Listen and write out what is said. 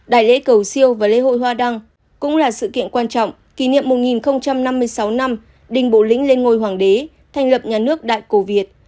đại lễ cầu siêu và lễ hội hoa đăng cũng là sự kiện quan trọng kỷ niệm một nghìn năm mươi sáu năm đình bộ lĩnh lên ngôi hoàng đế thành lập nhà nước đại cổ việt